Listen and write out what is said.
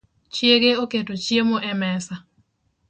Chiege oketo chiemo e mesa